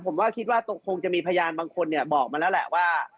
ผมว่าคิดว่าคงจะมีพยานบางคนบอกมาแล้วแหละว่า